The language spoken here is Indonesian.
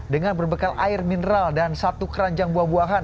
dengan berbekal air mineral dan satu keranjang buah buahan